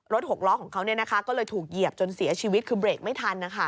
หกล้อของเขาก็เลยถูกเหยียบจนเสียชีวิตคือเบรกไม่ทัน